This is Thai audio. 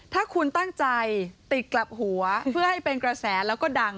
ถ้าคุณตั้งใจติดกลับหัวเพื่อให้เป็นกระแสแล้วก็ดัง